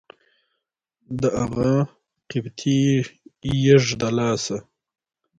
د اغه قطبي يږ د لاسه.